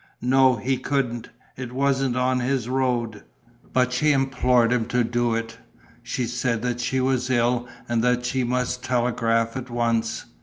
No, he couldn't: it wasn't on his road. But she implored him to do it. She said that she was ill and that she must telegraph at once.